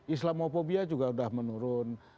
islamofobia juga sudah menurun